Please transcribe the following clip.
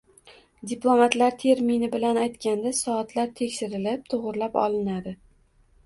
Diplomatlar termini bilan aytganda, soatlar tekshirilib, toʻgʻrilab olinadi.